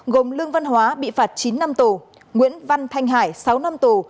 gồm lương văn hóa bị phạt chín năm tủ nguyễn văn thanh hải sáu năm tủ